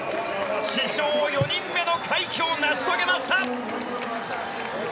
史上４人目の快挙を成し遂げました！